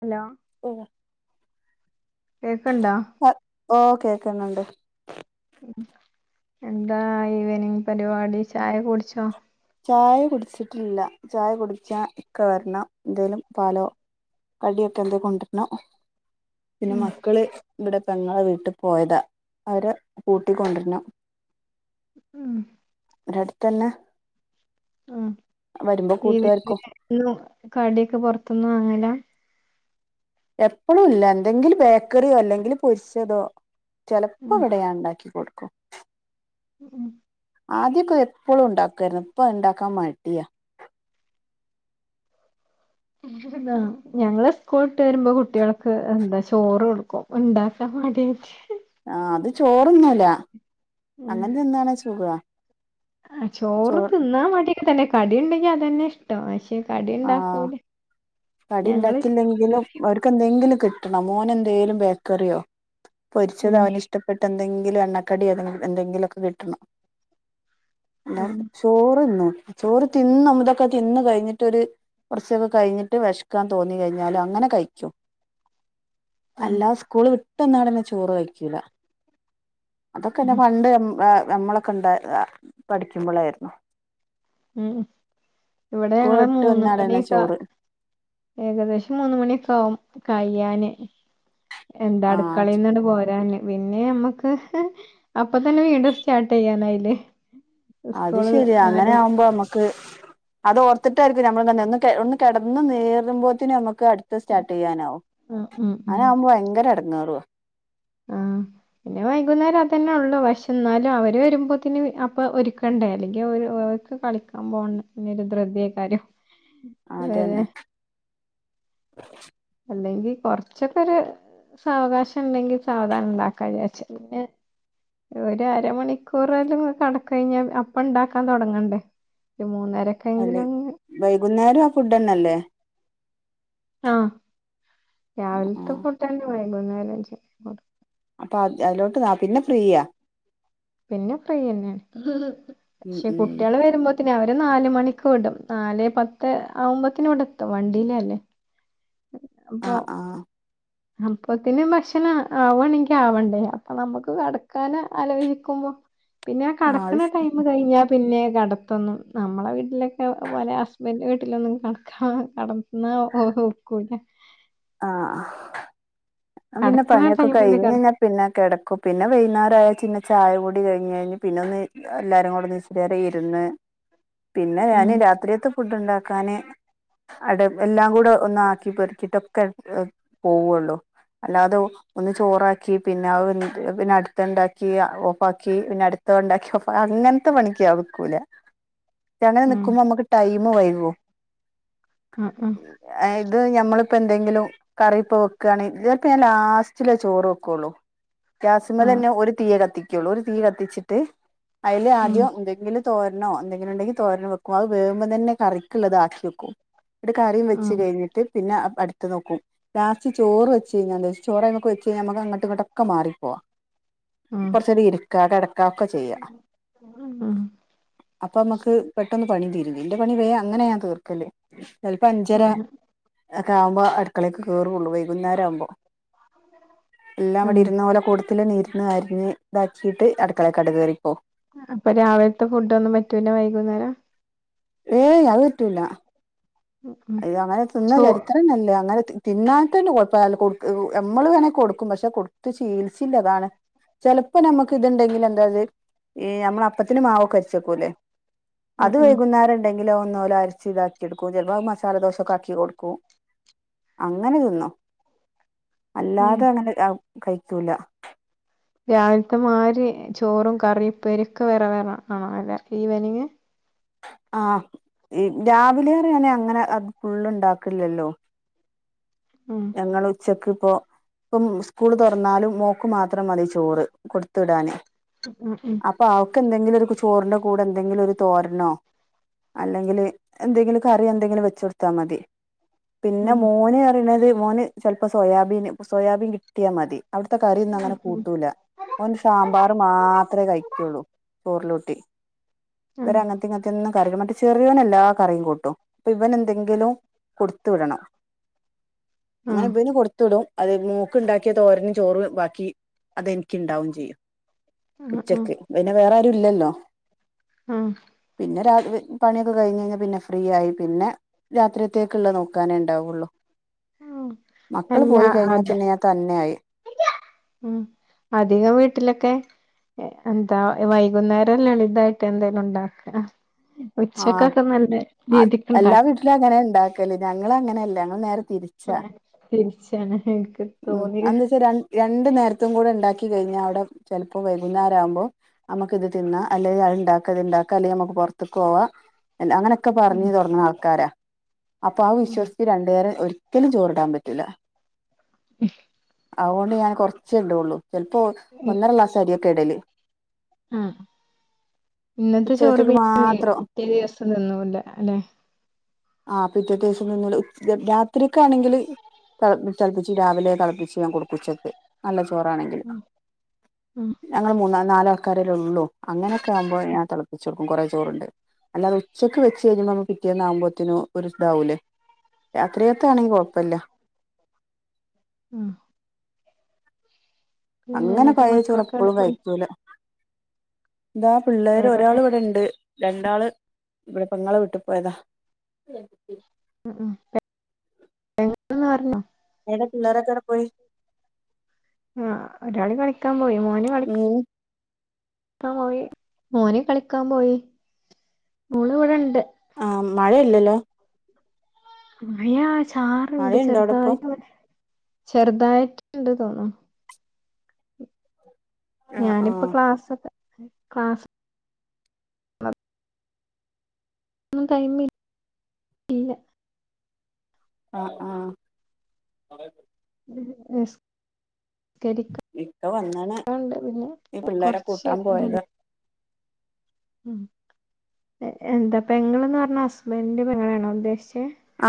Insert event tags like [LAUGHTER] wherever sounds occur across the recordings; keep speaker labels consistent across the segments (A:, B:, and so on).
A: Hello
B: ഓഹ്
A: കേക്കണ്ടാ
B: ഓ കേൾക്കുന്നുണ്ട്
A: എന്താ ഈവനിങ് പരിപാടി ചായ കുടിച്ചോ
B: ചായ കുടിച്ചിട്ടില്ല ചായ കുടിച്ച ഇക്ക വരണം എന്തേലും പാലോ കടിയൊക്കെ എന്തെ കൊണ്ടരണം പിന്നെ
A: ഉം
B: മക്കള് ഇവിടെ പെങ്ങടെ വീട്ടി ട്ട് പോയതാ അവര് കൂട്ടിക്കൊണ്ടരണം
A: ഉം
B: ഒരടുത്തന്നെ
A: ആ
B: വരുമ്പോ കൂട്ടുകാർക്കും
A: കടിയൊക്കെ പോറത്തൂന്ന് വാ ങ്ങലാ
B: എപ്പളും ഇല്ല എന്തെങ്കില് ബേക്കറിയോ അല്ലെങ്കിൽ പൊരിച്ചതോ ചിലപ്പോ
A: ഉം
B: ഇവിടെ ഞാൻ ഇണ്ടാക്കി കൊടുക്കും
A: ഉം
B: ആദ്യൊക്കെ എപ്പളും ഉണ്ടാക്കാരുന്നു ഇപ്പൊ ഇണ്ടാക്കാൻ മടിയാ
A: ഞങ്ങള് സ്കൂളിട്ട് വരുമ്പോ കുട്ടികൾക്ക് എന്താ ചോറ് കൊടുക്കും ഉണ്ടാക്കാൻ മടിയായിട്ടേ
B: ആഅത് ചോറ്ന്നൂല്ല അങ്ങനെ തിന്നാണേ സുഖാ
A: ആ
B: ചോ
A: ചോറ് തിന്നാൻ മടി ക്കെതന്നെ കടി ഇണ്ടെങ്കി അതന്നെ ഇഷ്ടം പ
B: ആ കടി
A: ഞങ്ങള് ചോറ്
B: ഇണ്ടാക്കില്ലെങ്കിലും അവർക്കേന്തെങ്കിലും കിട്ടണം മോന് എന്തേലും ബേക്കറിയോ
A: ഉം
B: പൊരിച്ചതോന് ഇഷ്ടപ്പെ ട്ടന്തെങ്കിലും എണ്ണക്കടി ഏതെങ്കിലും എന്തെങ്കിലുമൊക്കെ കിട്ടണം
A: ഉം
B: [UNINTELLIGIBLE] ചോറ്ന്നൂല ചോറ് തിന്നും ഇതൊക്കെ തിന്ന് കഴിഞ്ഞ് ട്ടൊരു കുറച്ചൊക്കെ കഴിഞ്ഞിട്ട് വെശക്കാൻ തോന്നി കഴിഞ്ഞാൽ അങ്ങനെ കഴിക്കും
A: ഉം
B: അല്ല സ്കൂള് വി ട്ടന്നാടന്നെ ചോറ് കയ്ക്കൂല
A: ഉം
B: അതൊക്കെന്നെ പണ്ട് [UNINTELLIGIBLE] നമ്മളൊക്കെ ഉണ്ട പഠിക്കുമ്പളായിരുന്നു
A: മ് ഇവിടെ ഞങ്ങള്
B: വിട്ട്
A: മൂന്ന്
B: വന്നാടന്നെ
A: മണിയൊക്കെ ആ
B: ചോറ്
A: ഏകദേശം മൂന്ന് മണിയൊക്കെ ആകും കയ്യാന് എന്താ
B: ആ
A: അടുക്കളേന്നിണ്ടു പോരാന് പിന്നെ ഞമ്മക്ക് അപ്പൊ തന്നെ വീണ്ടും സ്റ്റാർട്ട് ചെയ്യാനായില്ലേ
B: അത്
A: സ്കൂള്
B: ശെരിയാ അങ്ങനെ
A: നാലും
B: ആവുമ്പോ നമ്മ ക്ക് അത് ഓർത്തിട്ടായിരിക്കും നമ്മൾ തന്നെ ഒന്ന് കെട്ന്ന് നീരും പോത്തിന് നമ്മക്ക് അടുത്തത് സ്റ്റാർട്ട് ചെയ്യാനാവും
A: ഉം ഉം
B: അങ്ങാനാവുമ്പോ ഭയങ്കര അട ങ്ങേറ്വോ
A: ആ പിന്നെ വൈകുന്നേരം അതന്നെള്ളു പഷേ ന്നാലും അവര് വരുമ്പോത്തിന് അപ്പ ഒരുക്കണ്ടേ അല്ലെങ്കി അവര് ഓർക്ക് കളിക്കാൻ പോകണ്ട പിന്നെ ഒരു ധൃതിയെക്കാരം
B: അതന്നെ
A: അല്ലെങ്കി കൊറച്ചൊക്കെരു സാവകാശം ണ്ടെങ്കി സാവധാനം ണ്ടാക്കാചാരിച്ച് പിന്നെ ഒരു അരമണിക്കൂറേലും കടക്കകഴിഞ്ഞാൽ അപ്പ ണ്ടാക്കാൻ തുടങ്ങണ്ടേ ഒരു മൂന്നര ക്കെങ്കിലും ഒന്ന്
B: നേരം ആ ഫുഡന്നെല്ലേ
A: ആ
B: ആ ആ
A: രാവിലത്ത ഫുഡന്നെ വൈ കുന്നേരം ചെലപ്പോ
B: അപ്പ അത് അതിലോട്ട് പിന്നെ ഫ്രീയ
A: പിന്നെ ഫ്രീയെന്നെണ്
B: ഉം
A: പക്ഷെ
B: ഉം
A: കുട്ടികള് വരുമ്പോ ത്തിന് അവരെ നാല് മണിക്ക് വിടും നാലെ പത്ത് ആവുമ്പോത്തിന് ഇടെ എത്തും വണ്ടിലല്ലേ
B: ആഹ് ആഹ്
A: അപ്പത്തിന് ഭക്ഷണം ആവാണെങ്കി ആവണ്ടേ അപ്പൊ നമക്ക് കടക്കാന് ആലോചിക്കുമ്പോ പിന്നെ കടക്കണ
B: ആ
A: ടൈം കഴിഞ്ഞാ പിന്നെ കെടത്തൊന്നും നമ്മളെ വീട്ടിലൊക്കെ പോലെ ഹാസ്ബൻഡ് വീട്ടിലൊന്നും കടക്കാ കടന്ന ഒക്കൂല
B: ആഹ് ഞാൻ പിന്നെ
A: കടക്കണ
B: പണിയൊക്കെ
A: ടൈമില് കട
B: കഴിഞ്ഞ്ഴിഞാ പിന്നെ കെടക്കും പിന്നെ വൈകുന്നാരായ ചായ കൂടി കഴിഞഴിഞ് പിന്നെന്ന് എല്ലാരും കൂടെ നിസ് രറി ഇരുന്ന് പിന്നെ ഞാൻ
A: ഉം
B: രാത്രിയത്ത് ഫുഡ് ഉണ്ടാ ക്കാന് അട് എല്ലാം കൂടെ ഒന്നാക്കി പെറക്കിട്ട ക്കെ പോവുള്ളൂ അല്ലാതെ ഒന്ന് ചോറാക്കി പിന്നെ അഹ് വെന്ത് പിന്നെ അടുത്ത ണ്ടാക്കി ഓഫാക്കി പിന്നെ അടുത്ത ണ്ടാക്കി ഓഫാ അങ്ങനെ പത്ത് മണിക്ക് ഞാ വക്കൂല ഷെ അങ്ങനെ
A: ഉം
B: നിൽക്കുമ്പോ നമക്ക് ടൈം വൈകോ
A: ആഹ് ആഹ്
B: ഇത് ഞമ്മള് പ്പ എന്തെങ്കിലും കറിപ്പ വെക്കണെ ഇതിലൊക്കെ ഞാൻ ലാസ്റ്റിലെ ചോറ് വെക്കുള്ളൂ
A: ആഹ്
B: ഗ്യാസ്മലെന്നെ ഒരു തീയെ കത്തി കുള്ളൂ ഒരു തീ കത്തിച്ചിട്ട് അയില്
A: ആഹ്
B: ആദ്യം എന്തെങ്കിലും തോര ണോ എന്തെങ്കിലുണ്ടങ്കി തോരനോ വെക്കും അത് വേവുമ്പോം തന്നെ കറിക്കുള്ളത് ആക്കി വെക്കും. ന്ന്ട്ട് കറി വെച്ച്
A: ആഹ്
B: കഴിഞ്ഞിട്ട് പിന്നെ അടുത്ത് നോക്കും ലാസ്റ്റ് ചോറ് വെചെഴിഞാല് ഷെ ചോറ് അയ്മക്ക് വെച്ചഴിഞ്ഞാ ഞമ്മൾ അങ്ങട്ട് ഇങ്ങോട്ടൊക്കെ മാറിപ്പോവാം. കോർചേരം ഇരിക്ക കെട ഒക്കെ ചെയ്യാ
A: ആഹ് ആഹ്
B: അപ്പൊ മ്മക്ക് ട്ടെന്ന് പണി തീരും ന്റെ പണി വേ അങ്ങനെ ഞാൻ തീർക്കല് ചെലപ്പോ അഞ്ചര
A: ഉം
B: എക്കെ ആവുമ്പോ അടുക്കളേക്ക് കേറുള്ളൂ വൈകുന്നേരം ആവുമ്പോ എല്ലാം
A: ഉം
B: അവിടെ ഇരുന്ന പോലെ കൊടു തിലെ നീരുന്ന അരിഞ്ഞ് ഇതാക്കിയിട്ട് അടുക്കളെക്ക് ങ്ട് കയറി ഇപ്പോ
A: അപ്പൊ രാവിലത്തെ ഫുഡ് ഒന്നും പറ്റൂല വൈകുന്നേരം.
B: ഏയ് അത് പറ്റൂല
A: ഉം ഉം
B: അയ്യോ അങ്ങനെ തിന്ന
A: ചോ
B: ചരിത്രം ഇല്ല അങ്ങനെ തിന്നാത്തെന്റെ കൊഴപ്പല്ല കൊടു നമ്മള് വേണെ കൊടുക്കും പക്ഷെ കൊടുത്ത് ശീലിച്ചില്ല അതാണ്. ചിലപ്പോ നമ്മുക്ക് ഇതുണ്ടെങ്കിൽ എന്തായത് ഈ നമ്മള അപ്പത്തിന്റെ മാവോക്കെ അടിച്ചുവെക്കുലെ
A: ഉം
B: അത്
A: ഉം
B: വൈകുന്നേരം ഉണ്ടെങ്കി ങ്കിലും ഒന്നുപോലെ അരിച്ചു ഇതാക്കിയെടുക്കും ചിലപ്പോ അത് മസ് സാലദോശൊക്കെ ആക്കി കൊടുക്കും അങ്ങനെതിന്നും
A: ഉം
B: അല്ലാതെ അങ്ങനെ രാവ് കഴിക്കൂല
A: രാവിൽത്തെ മാതിരി ചോറും കറിയും ഇപ്പേരി ഒക്കെ വേറെ വേറെ വേണം അല്ലെ ഈവനിംഗ്
B: ആഹ് രാവിലെ ഏറിയാനെ അങ്ങനെ അത് ഫുൾ ഉണ്ടാക്കില്ലല്ലോ
A: ഉം
B: ഞങ്ങൾ ഉച്ചക്ക് അപ്പൊ ഇപ്പം സ്കൂള് തുറന്നാലും മോക്ക് മാത്രം മതി ചോറ് കൊടുത്തു വിടാനേ
A: ഉം ഉം
B: വക്ക് എന്തെങ്കിലും ഒരു ചോറിന്റെ കൂടെ എന്തെങ്കിലും ഒരു തോരനോ അല്ലെങ്കിൽ എന്തെങ്കിലും കറി എന്തെങ്കിലും വെച്ചു കൊടുത്താ മതി പിന്നെ
A: ഉം
B: മോന് അറിണത് മോന് ചിലപ്പോ സോയാബീന് സോയാബീൻ കിട്ടിയാ മതി അവിടുത്തെ കറിന്നും
A: ഉം
B: അങ്ങനെ
A: ഉം
B: കൂട്ടൂല ഓന്
A: ആഹ്
B: സാമ്പാറ് മാത്രേ കഴിക്കുള്ളൂ പോർലോട്ടി [UNINTELLIGIBLE] ഇവര് അങ്ങത്തി ഇങ്ങത്തി ഒന്നും കറികൾ മറ്റേ ചെറിയോൻ എല്ലാ കറിയും കൂട്ടും അപ്പൊ ഇവന് എന്തെങ്കിലും കൊടുത്തു വിടണം അങ്ങനെ ഇവന് കൊടുത്തുവിടും അത് മോക്ക് ഉണ്ടാക്കിയ തോരനും ചോറും ബാക്കി അതെനിക്കുണ്ടാവും ചെയ്യും
A: ആഹ് ആഹ്
B: ഉച്ചക്ക് പിന്നെ വേറെ ഇല്ലല്ലോ
A: ആഹ്
B: പിന്നെ രാ പണിയൊക്കെ കഴിഞ്ഞ് കഴിഞ്ഞാൽ പിന്നെ ഫ്രീ ആയി പിന്നെ രാത്രിത്തേക്കുള്ളത് നോക്കാനേ ഉണ്ടാവുള്ളൂ
A: ഉം എല്ലാ അതെ
B: പിന്നെ ഞാൻ തന്നെയായി
A: ഉം അധികം വീട്ടിലൊക്കെ എന്താ വൈകുന്നേരം ലളിതായിട്ട് എന്തേലും ഉണ്ടാക്കണം
B: ആഹ് അത് എല്ലാ
A: ഉണ്ടാക്കും
B: വീട്ടിലും അങ്ങനെ ഉണ്ടാക്ക് ല്ല ഞങ്ങൾ അങ്ങനെയല്ല ഞങ്ങൾ നേരത്തെ
A: തിരിച്ചാണ് എനിക്ക് തോന്നിയെ
B: ത്ത കൂടെ ഉണ്ടാക്കി കഴിഞ്ഞാൽ അവിടെ ചിലപ്പോ വൈകുന്നേരം ആകുമ്പോ നമുക്കിത് തിന്നാം അല്ലേൽ അതിണ്ടാക്കണേണ്ടാക്കാം അല്ലേ നമുക്ക് പുറത്ത് കോവാ ല്ല അങ്ങനക്കെ
A: ഉം
B: പറഞ്ഞ് തുടങ്ങുന്ന ആൾക്കാരാ അപ്പൊ ആ
A: ഉം
B: വിശ്വസിച്ച് രണ്ടുപേരെ ഒരു ഒല് ചോറിടാൻ പറ്റൂല
A: ഉഹ്
B: ഔകൊണ്ട് ഞാൻ കൊറച്ച് ച്ചെണ്ടുള്ളൂ ചെൽപ്പോ ഒന്നര ഗ്ലാസ്സ്‌ അര്യേ കെടല്
A: അ ഇന്നത്തെ ചോറ്
B: ഉച്ചകത്തേക്ക്
A: പിന്നെന്തെയ്യും
B: മാത്രം
A: പിറ്റേ ദിവസം തിന്നൂല്ല അലെ
B: ആ പിറ്റേത്തേസെം തിന്നല് രാത്രിക്കാണെങ്കില് തൾ തണ്ണിച്ച് രാവിലെ തെളപ്പിച്ച് ഞാൻ കൊടുക്കും ഉച്ചക്ക് നല്ല ച് കൊറാണെങ്കില്
A: ഉം
B: ഞങ്ങള് മൂന്നാ നാലാൾക്കാരല്ലേ ഉള്ളൂ അങ്ങനൊക്കെ ആകുമ്പോ ഞാൻ തെളപ്പിച്ചു കൊടു ഉം കൊറേ ചോറ്ണ്ട് അല്ലാതെ ഉച്ചക്ക് വെച്ച് കഴിഞ്ഞുമ്പോ നമ്മക്ക് പിറ്റേന്നാവു മ്പോഴത്തേനു ഒരിതാവൂല്ലേ രാത്രിയെത്തെയാണെ കൊഴപ്പല്ല
A: ഉം പിന്നെ
B: അങ്ങനെ
A: എന്നിട്ട്
B: പഴയ ചോറ്
A: മക്കളൊക്കെ എവിടെ
B: എപ്പളും
A: പോയി
B: കഴിക്കൂല്ല ഇതാ പിള്ളേര്
A: എവിടെ പോ
B: ഒരാൾ ഇവിടെണ്ട് രണ്ടാള് ഇവിടെ പെങ്ങളെ വീട്ടി പോയതാ
A: ഉംഉം എ എങ്ങ്ട്ട്ന്ന് പറഞ്ഞോ
B: എവ്ടെ പിള്ളേരൊക്കെവിടെ പോയി
A: ആ ഒരാള് കളിക്കാൻ പോയി മോന് കളിക്ക
B: ഉം
A: പോയി മോന് കളിക്കാൻ പോയി മോള് ഇവടെ ഇണ്ട്
B: ആ മഴയില്ലല്ലോ
A: മഴാ സ് ചാറുണ്ട്
B: മഴയുണ്ടോ അവിടെ ഇപ്പൊ
A: ചെറുതായിട്ടിവിടെ ചെറുതായിട്ട് ട്ടുണ്ട് തോന്നുണ്
B: ആ ആ
A: ഞാനിപ്പോ ക്ലാസ്സൊക്കെ ക്ലാസ്സ്‌ ഒന്നും ടൈമിൽ ഇല്ല
B: ആ ആ
A: [UNINTELLIGIBLE] നിസ്കരിക്കാണ്ട്
B: ഇക്ക വന്നാണ്
A: പിന്നെ
B: ഈ പിള്ളേരെ
A: കൊറച്ച്
B: കൂട്ടാൻ പോയത
A: ഇതുണ്ട് ഉം എ എന്താ പെങ്ങള് ന്ന് പറഞ്ഞാ ഹസ്ബന്റിന്റെ പെങ്ങളെ ണോ ഉദ്ദേശിച്ച്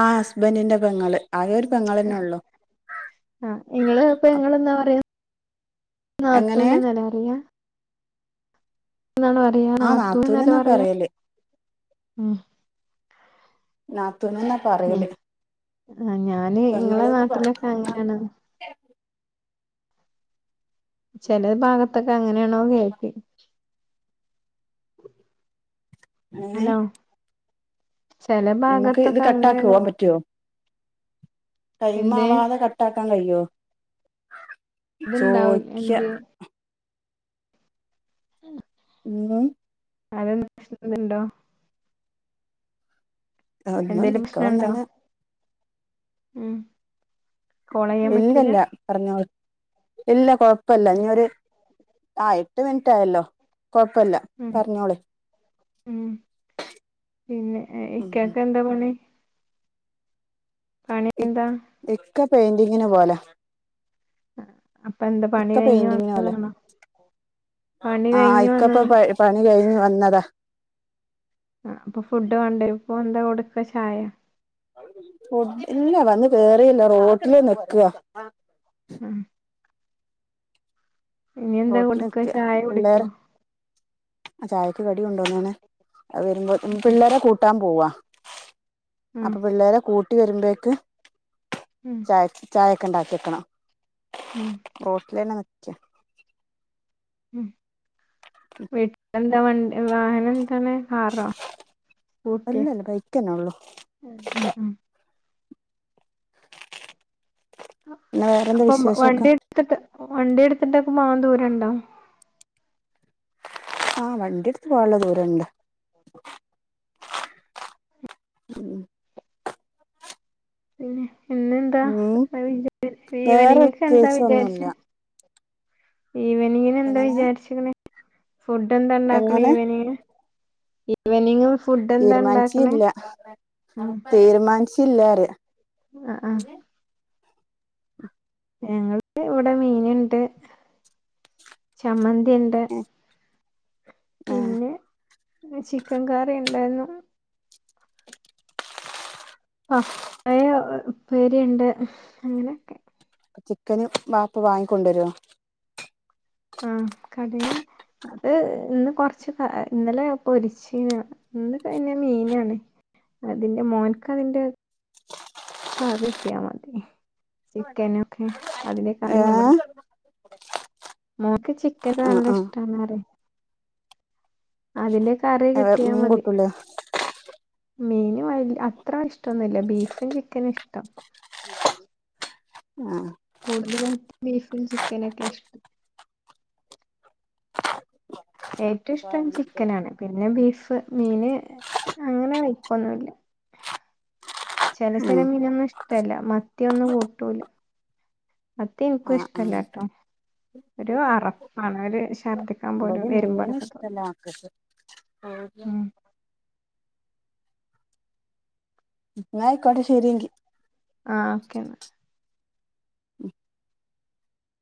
B: ആ ഹസ് ബന്റിന്റെ പെങ്ങള് ആകെ ഒരു
A: ആ
B: പെങ്ങളന്നെ ഉള്ളു
A: ആ ഇങ്ങള് പെങ്ങള്ന്നാപറയാ
B: എങ്ങനെ
A: നാത്തൂന് ന്നല്ലേ പറയാ ന്നാണ് പറയാ
B: ആ
A: നാത്തൂൻ ന്നല്ലേ
B: നാത്തൂനെന്നാ
A: പറയാ.
B: പറയല്
A: മ്
B: നാ
A: ഞ ആ ഞാന് ഇങ്ങളെ
B: പെങ്ങള്ന്ന് പറയും
A: നാട്ടിലൊക്കെ അങ്ങനെയാണ്. ചെല ഭാഗത്തൊക്കെ അങ്ങനെയാണോ [UNINTELLIGIBLE]
B: ഏ
A: ഹലോ ചെല
B: നമ്മക്ക് ഇത്
A: ഭാഗത്തൊക്കെ അങ്ങനെയാണോ
B: കട്ടാക്കോ പറ്റുവോ? ടൈമ്
A: എന്തേ
B: ആവാതെ കട്ടാക് ട്ടാൻ കഴിയോ?
A: ഇത്ണ്ടാവും
B: ചോയ്ക്ക
A: എന്ത് [UNINTELLIGIBLE]
B: എന്താ?
A: ആരേ [UNINTELLIGIBLE] ഇണ്ടോ?
B: ഒന്നുംല്ല ഇക്ക വന്നണ്.
A: മ്
B: ഇല്ലല്ല പറഞ്ഞോ. ഇല്ല കൊഴപ് പ്പല്ല ഇഞ്ഞൊര് ആ എട്ട് മിനിറ്റ് ആയല്ലോ? കൊഴപ്പല്ല
A: മ്
B: പറഞ്ഞോളി
A: മ് പിന്നെ
B: ഉം
A: ഇക്കാക്ക് എന്താ പണി? പണി എന്താ
B: [INAUDIBLE] ഇക്ക പെയിന്റിംഗിന് പോലാ.
A: ആ
B: ഇക്ക പെയിന്റിംഗിന് പോവലാ,
A: പണി
B: ആ
A: കഴിഞ്ഞ്
B: ഇക്കപ്പ
A: വന്നതാ
B: പ പണി കഴിഞ്ഞു വ ന്നതാ.
A: ആ അപ്പോ ഫുഡ് വാണ്ടേ ഇപ്പോ? യ കൊടുക്ക ചായ
B: ഇല്ല, വന്ന് കേറില്ല റോട്ടില് നിക്ക.
A: ആ ഇനി എന്താ
B: റോട്ടില്
A: കൊടുക്ക
B: നിക്ക
A: ചായ കുടിക്കോ?
B: പിള്ളേര് ചായക്ക് കടികൊണ്ടൊന്നണേ അത് വരുമ്പോ പിള്ളേരെ കൂട്ടാൻ പോവാ.
A: ഉം
B: അപ്പോ പിള്ളേരെ കൂട് കൂട്ടി വരുമ്പേക്ക്
A: ഉം
B: ചായ ചായ ക്കെണ്ടാക്കി ക്കാണോ
A: ഉം
B: റോട്ടിലെന്നെ നി ച്ചെ
A: വെട് എന്താ വൺ വാഹനം എന്താണ് കാറോ സ്കൂട്ടിയാ
B: അല്ലല്ല ബൈക്കന്നെ ഉള്ളു
A: മ്മ് മ്മ്
B: ന്നാ വേറെന്താ
A: അപ്പൊ മ-
B: വിശേഷക്കെ
A: വണ്ടി എടുത്തിട്ട് വണ്ടി എടുത്തിണ്ടക്കെ പോകാ ദൂരണ്ടോ
B: ആ വണ്ടി എടുത്ത് പോകാന്ള്ള ദൂരണ്ട് മ്മ്
A: പിന്നെ പിന്നെന്താ
B: ഉം
A: [UNINTELLIGIBLE]
B: വേറെ
A: ഈവനിഗെക്കെ എന്താ
B: പ്രത്യേകിച്ച് ഒന്നുല്ല
A: വിചാരിച്ചേ ഈവനിങ്ങിന് എന്താ
B: എങ്ങനെ
A: വിചാരിച്ചിക്കണെ ഫുഡ് എന്താ ഉണ്ടാക്ണ്
B: എങ്ങനെ
A: ഈവനിഗ് ന് ഈവെനിംഗ്
B: തീരുമാനിച്ചില്ല തീരുമാനിച്ച [UNINTELLIGIBLE]
A: അ അ ഞങ്ങളൾക്ക് ഇവിടെ മീന്ണ്ട് ചമ്മന്തി ന്തിണ്ട്
B: ഏഹ്
A: പിന്നെ ചിക്കൻ കറിണ്ട് [UNINTELLIGIBLE] പപ്പയ ഉപേരിണ്ട് അങ്ങനെക്കെ
B: ചിക്കന് വാപ്പ വാങ്ങിക്കൊണ്ടരോ
A: ആഹ കടന് അത് ഇന്ന് കൊർച്ച് ഇന്നലെ പൊരിച്ചീന ഇന്ന് കയ്ന് മീനാണ് അതിന്റെ മോൻക്ക് അതിന്റെ അതിട്ട്യാ മതി ചിക്കനൊക്കെ അതിലെ കറി മതി
B: ഏഹ്
A: മോൻക്ക് ചിക് ക്കന്
B: ആഹ്
A: നല്ല
B: ആഹ്
A: ഇഷ്ടാണ് പറ അതിന്റെ കറി
B: എവ
A: കിട്ടിയാ
B: മീൻ
A: മതി
B: കൂട്ടൂലേ
A: മീന് വൽ അത്രഷ്ടൊന്നുല്ല ബീഫും ചിക്കനും ഇഷ്ടം
B: ആഹ്
A: കൂടുതലായിട്ട് ബീഫും ചിക്കനൊക്കെ ഇഷ് ഏറ്റുഷ്ടം ചിക്കനാണ് പിന്നെ ബീഫ് മീന് അങ്ങനെ കഴിക്കൊന്നുല്ല ചെല ചെല മീനൊന്നും ഇഷ്ടല്ല മത്യോന്നും കൂട്ടൂല. മത്തി ഇൻക്കും
B: ആഹ് ആഹ്
A: ഇഷ്ടല്ല ട്ടോ ഒരു അറപ്പാണ് ഒരു ശർദി
B: വടിം മീന് ഇഷ്ടല്ല മക്കക്ക്
A: ഉം
B: ന്നാ യിക്കോട്ടെ ശരിയങ്കി
A: ആഹ് ഓക്കേന്നാ.